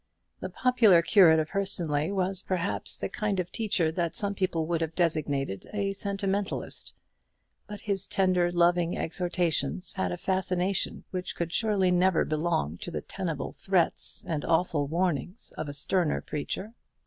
The popular curate of Hurstonleigh was perhaps the kind of teacher that some people would have designated a sentimentalist; but his tender, loving exhortations had a fascination which could surely never belong to the tenable threats and awful warnings of a sterner preacher.